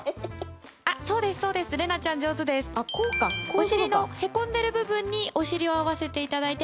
お尻のへこんでいる部分にお尻を合わせて頂いて。